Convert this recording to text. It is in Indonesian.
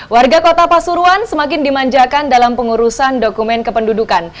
warga kota pasuruan semakin dimanjakan dalam pengurusan dokumen kependudukan